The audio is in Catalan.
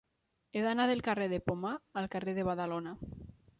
He d'anar del carrer de Pomar al carrer de Badalona.